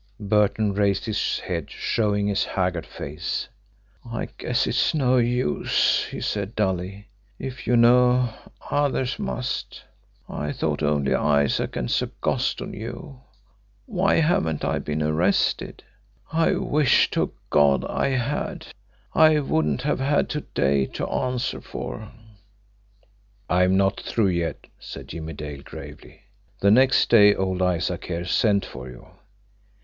Burton raised his head, showing his haggard face. "I guess it's no use," he said dully. "If you know, others must. I thought only Isaac and Sagosto knew. Why haven't I been arrested? I wish to God I had I wouldn't have had to day to answer for." "I am not through yet," said Jimmie Dale gravely. "The next day old Isaac here sent for you.